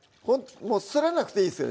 もうすらなくていいです？